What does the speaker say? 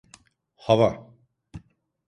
Hava…